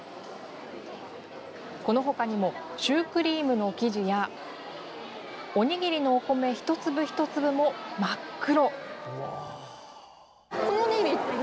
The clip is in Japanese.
この他にもシュークリームの生地やおにぎりのお米１粒１粒も真っ黒！